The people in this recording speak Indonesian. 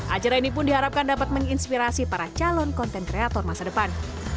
ajaran ini pun diharapkan dapat menginspirasi para calon konten kreator masa depan